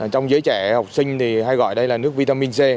trong giới trẻ học sinh thì hay gọi đây là nước vitamin c